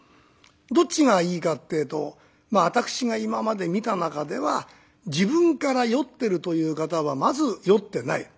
どっちがいいかってえと私が今まで見た中では自分から「酔ってる」という方はまず酔ってない。